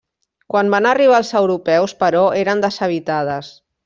Quan van arribar els europeus, però, eren deshabitades.